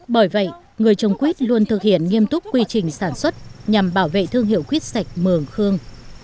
bởi vậy người trồng quýt luôn thực hiện nghiêm túc quy trình sản xuất nhằm bảo vệ thương hiệu quýt sạch mường khương